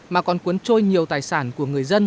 mà còn cuốn trôi nhiều tài sản